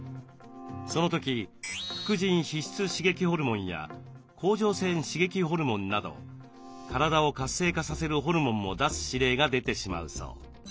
その時副腎皮質刺激ホルモンや甲状腺刺激ホルモンなど体を活性化させるホルモンも出す指令が出てしまうそう。